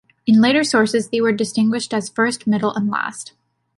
In later sources, these were distinguished as "first", "middle", and "last".